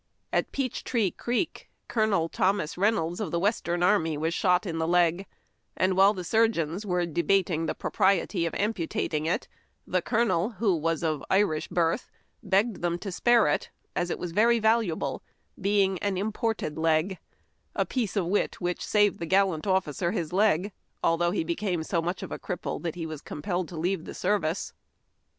At Peach Tree Creek, Col. Thomas Reynolds of the Western army was shot in tlie leg, and, while the surgeons were debating the propriety of amputating it, the colonel, who was of Irish birth, begged them to spare it, as it was very valuable, being an imported leg, — a piece of wit which saved the gallant officer his leg, although he became so nuich of a cripple that he was compelled to leave the service. HOSPITALS AND AMBULANCES.